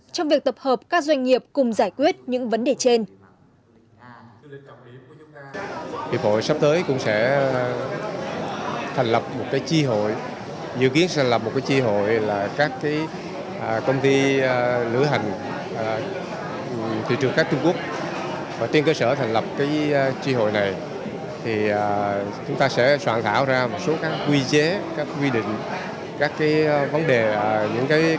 trong việc tập hợp các doanh nghiệp cùng giải quyết những vấn đề trên